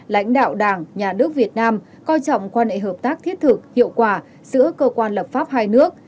lãnh đạo đảng nhà nước việt nam coi trọng quan hệ hợp tác thiết thực hiệu quả giữa cơ quan lập pháp hai nước